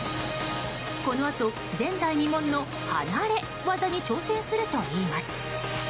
このあと前代未聞の離れ業に挑戦するといいます。